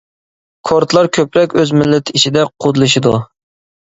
كۇردلار كۆپرەك ئۆز مىللىتى ئىچىدە قۇدىلىشىدۇ.